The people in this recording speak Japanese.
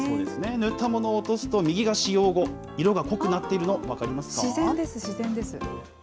塗ったものを落とすと、右が使用後、色が濃くなっているの分自然です、自然です。